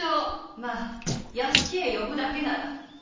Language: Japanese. まあ屋敷へ呼ぶだけなら。